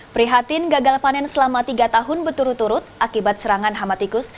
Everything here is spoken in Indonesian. prihatin gagal panen selama tiga tahun berturut turut akibat serangan hama tikus